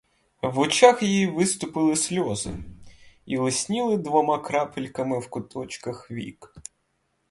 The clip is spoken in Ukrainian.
В очах її виступили сльози і лисніли двома крапельками в куточках вік.